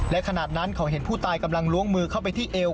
และขณะนั้นเขาเห็นผู้ตายกำลังล้วงมือเข้าไปที่เอว